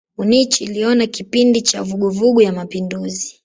Munich iliona kipindi cha vuguvugu ya mapinduzi.